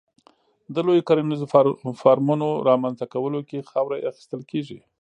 د لویو کرنیزو فارمونو رامنځته کولو کې خاوره اخیستل کېږي.